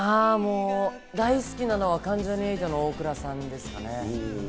大好きなのは関ジャニ∞の大倉さんですかね。